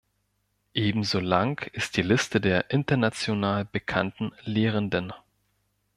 Ebenso lang ist die Liste der international bekannten Lehrenden.